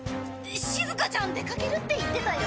しずかちゃん出かけるって言ってたよ。